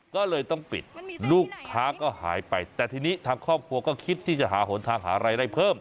ก็เลยต้องปิดลูกค้าก็หายไปแต่ทีนี้ทางครอบครัวก็คิดที่จะหาหนทางหารายได้เพิ่ม